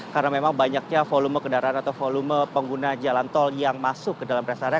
karena memang banyaknya volume kendaraan atau volume pengguna jalan tol yang masuk ke dalam rest area